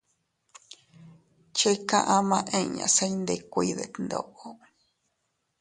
Chika ama inña se iyndikuiy detndoʼo.